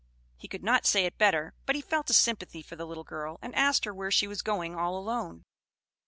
He could not say it better; but he felt a sympathy for the little girl, and asked her where she was going all alone.